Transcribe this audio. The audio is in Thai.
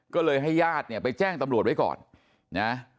ก็เลยให้ญาติเนี่ยไปแจ้งตำรวจไว้ก่อนนะ